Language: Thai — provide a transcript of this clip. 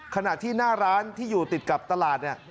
ขณะที่หน้าร้านที่อยู่ติดกับตลาดเนี่ย